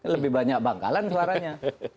lebih banyak bangkalan suaranya